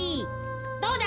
どうだ？